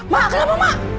mak kenapa mak